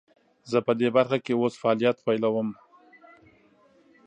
زه پدي برخه کې اوس فعالیت پیلوم.